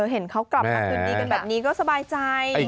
เห็นเขากลับมาคืนดีกันแบบนี้ก็สบายใจ